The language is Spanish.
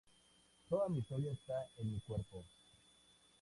Toda mi historia está en mi cuerpo.